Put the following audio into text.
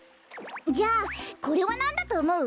じゃあこれはなんだとおもう？